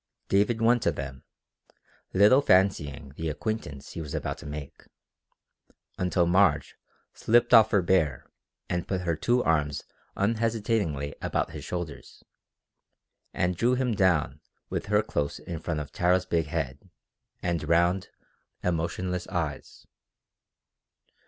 David went to them, little fancying the acquaintance he was about to make, until Marge slipped off her bear and put her two arms unhesitatingly about his shoulders, and drew him down with her close in front of Tara's big head and round, emotionless eyes.